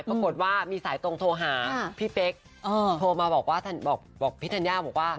ปรากฏว่ามีสายตรงโทรหาพี่เป๊กโทรมาบอกว่าบอกพี่ธัญญาบอกว่า